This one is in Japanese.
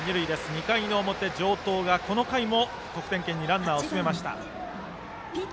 ２回の表、城東がこの回も得点圏にランナーを進めました。